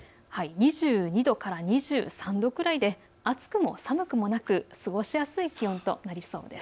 ２２度から２４度くらいで暑くも寒くもなく、過ごしやすい気温となりそうです。